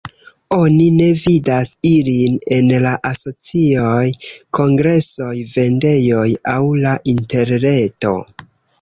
Oni ne vidas ilin en la asocioj, kongresoj, vendejoj aŭ la interreto.